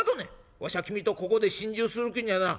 わしゃ君とここで心中する気にはならん。